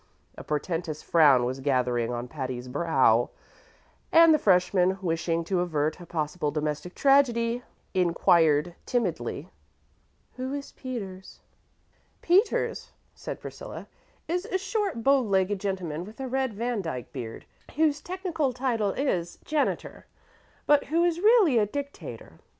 A portentous frown was gathering on Patty's brow, and the freshman, wishing to avert a possible domestic tragedy, inquired timidly, "Who is Peters?" "Peters," said Priscilla, "is a short, bow legged gentleman with a red Vandyke beard, whose technical title is janitor, but who is really dictator.